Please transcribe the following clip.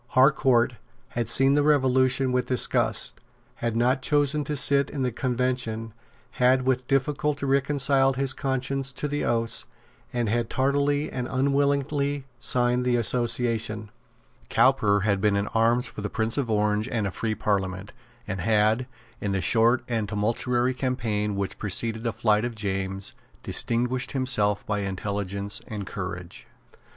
Harcourt had seen the Revolution with disgust, had not chosen to sit in the Convention, had with difficulty reconciled his conscience to the oaths, and had tardily and unwillingly signed the Association. Cowper had been in arms for the Prince of Orange and a free Parliament, and had, in the short and tumultuary campaign which preceded the flight of James, distinguished himself by intelligence and courage.